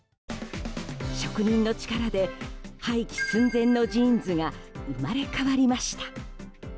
職人の力で廃棄寸前のジーンズが生まれ変わりました。